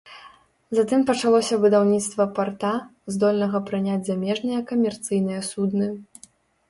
Затым пачалося будаўніцтва парта, здольнага прыняць замежныя камерцыйныя судны.